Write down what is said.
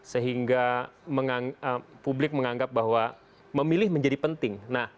sehingga publik menganggap bahwa memilih menjadi penting